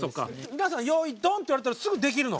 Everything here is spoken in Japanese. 皆さんよいドン！って言われたらすぐできるの？